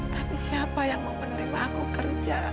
tapi siapa yang mau menerima aku kerja